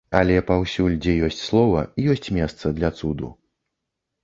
Але паўсюль, дзе ёсць слова, ёсць месца для цуду.